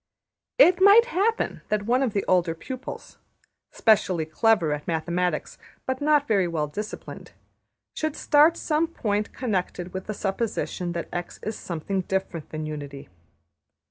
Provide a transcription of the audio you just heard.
'' It might happen that one of the older pupils, specially clever at mathematics, but not very well disciplined, should start some point connected with the supposition that $x$ is something different than unity.